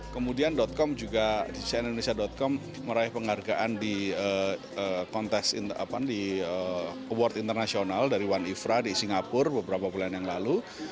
kemudian com juga di cnnindonesia com meraih penghargaan di award internasional dari one ifra di singapura beberapa bulan yang lalu